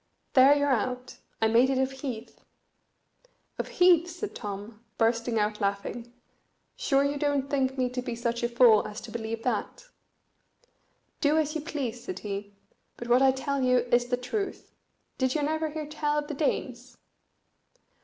"There you're out. I made it of heath." "Of heath!" said Tom, bursting out laughing; "sure you don't think me to be such a fool as to believe that?" "Do as you please," said he, "but what I tell you is the truth. Did you never hear tell of the Danes?"